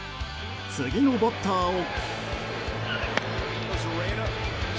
次のバッターを。